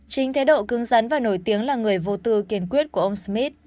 chính thái độ cứng rắn và nổi tiếng là người vô tư kiên quyết của ông smith